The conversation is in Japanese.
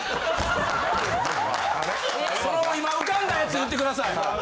その今浮かんだやつ言ってください。